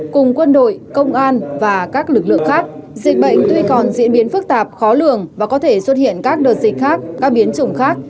cùng quân đội công an và các lực lượng khác dịch bệnh tuy còn diễn biến phức tạp khó lường và có thể xuất hiện các đợt dịch khác các biến chủng khác